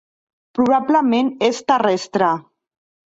Probablement és terrestre.